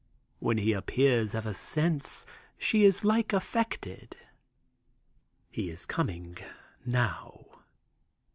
When he appears, ever since, she is like affected. He is coming now."